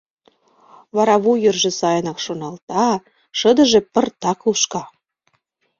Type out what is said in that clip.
Вара вуй йырже сайынак шоналта, шыдыже пыртак лушка.